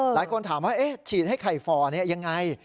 หลายคนถามว่าฉีดให้ไข่ฝ่อยังไง